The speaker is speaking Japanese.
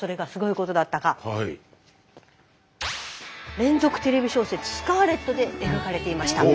連続テレビ小説「スカーレット」で描かれていました。